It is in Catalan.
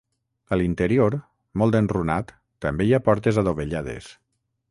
A l'interior, molt enrunat, també hi ha portes adovellades.